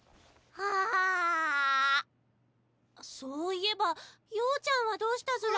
あそういえば曜ちゃんはどうしたずら？